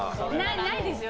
ないですよ。